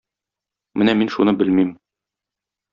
Менә мин шуны белмим.